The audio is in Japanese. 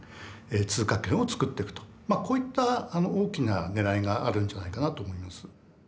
まあこういった大きな狙いがあるんじゃないかなと思います。